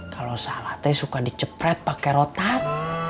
kalau salah teh suka dicepret pake rotan